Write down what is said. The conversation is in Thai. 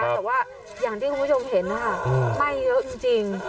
แต่ว่าอย่างที่คุณผู้ชมเห็นนะคะไหม้เยอะจริง